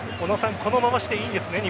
この回しでいいんですね？